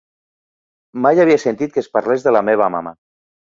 Mai havia sentit que es parlés de la meva mama.